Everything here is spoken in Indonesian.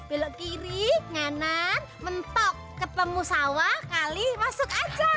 belok kiri nganan mentok ketemu sawah kali masuk aja